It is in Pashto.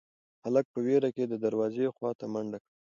هلک په وېره کې د دروازې خواته منډه کړه.